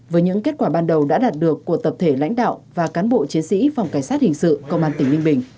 với những kết quả ban đầu đã đạt được của tập thể lãnh đạo và cán bộ chiến sĩ phòng cảnh sát hình sự công an tỉnh ninh bình